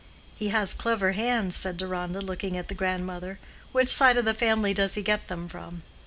"He has clever hands," said Deronda, looking at the grandmother. "Which side of the family does he get them from?"